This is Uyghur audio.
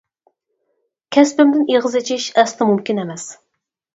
كەسپىمدىن ئېغىز ئېچىش ئەسلا مۇمكىن ئەمەس.